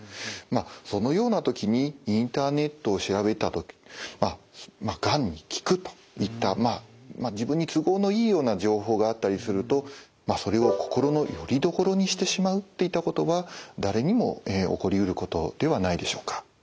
そのような時にインターネットを調べた時がんに効くといったまあ自分に都合のいいような情報があったりするとそれを心のよりどころにしてしまうといったことは誰にも起こりうることではないでしょうか。